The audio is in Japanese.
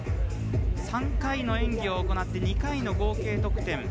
３回の演技を行って２回の合計点。